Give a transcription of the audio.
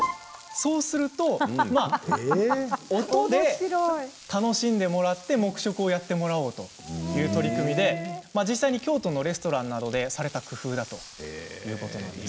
そうすると音で楽しんでもらって黙食をやってもらおうという取り組みで実際に京都のレストランなどでされた工夫だということなんです。